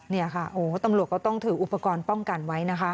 นี่ค่ะโอ้ตำรวจก็ต้องถืออุปกรณ์ป้องกันไว้นะคะ